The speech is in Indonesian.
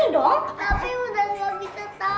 tapi udah ga bisa tahan kak